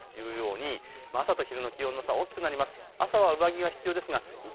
朝と昼の気温の差がどうやら大きくなりそうです。